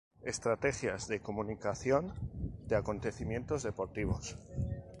Estrategias de comunicación de acontecimientos deportivos".